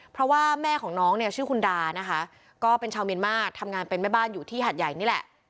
เพราะว่าแม่ของน้องเนี่ยชื่อคุณดานะคะก็เป็นชาวเมียนมาร์ทำงานเป็นแม่บ้านอยู่ที่หัดใหญ่นี่แหละ